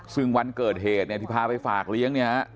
ซึ่งวันเกิดเหตุเนี่ยที่พาไปฝากเลี้ยงเนี่ย